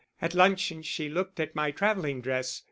At luncheon she looked at my travelling dress.